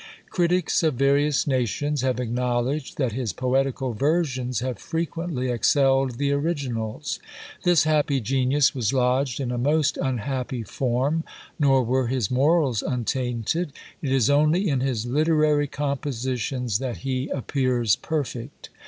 Critics of various nations have acknowledged that his poetical versions have frequently excelled the originals. This happy genius was lodged in a most unhappy form; nor were his morals untainted: it is only in his literary compositions that he appears perfect.